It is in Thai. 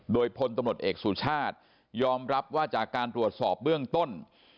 โดยพลตำรวจเอกสุชาติยอมรับว่าจากการตรวจสอบเบื้องต้น